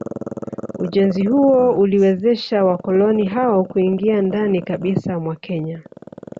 Ujenzi huo uliwezesha wakoloni hao kuingia ndani kabisa mwa Kenya